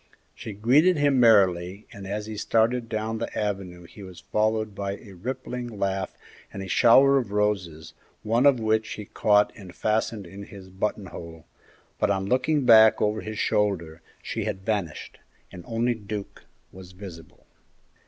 She greeted him merrily, and as he started down the avenue he was followed by a rippling laugh and a shower of roses, one of which he caught and fastened in his buttonhole, but on looking back over his shoulder she had vanished, and only Duke was visible.